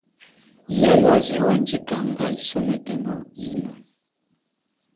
Iya yoze wandjikanga isoneko yino?